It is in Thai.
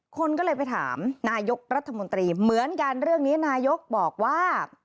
คนก็เลยไปถามนายกรัฐมนตรีเหมือนกันเรื่องนี้นายกบอกว่า